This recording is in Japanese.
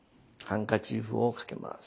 ハンカチーフをかけます。